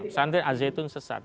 sampai al zaitun sesat